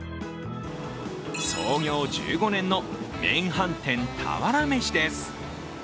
創業１５年の麺飯店俵飯です。